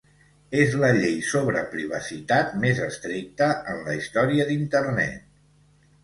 És la llei sobre privacitat més estricta en la història d'Internet.